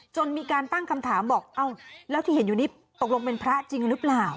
จนมีการตั้งคำถามบอกเอ้าแล้วที่เห็นอยู่นี่ตกลงเป็นพระจริงหรือเปล่า